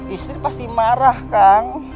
istri pasti marah kang